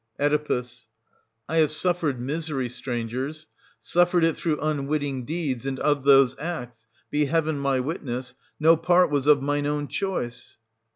ant. T. Oe. I have suffered misery, strangers, — suffered it through unwitting deeds, and of those acts — be Heaven my witness !— no part was of mine own choice.